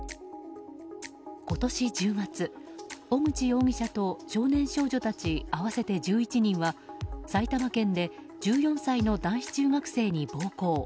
今年１０月、小口容疑者と少年少女たち合わせて１１人は、埼玉県で１４歳の男子中学生に暴行。